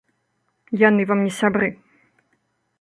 Яны вам не сябры.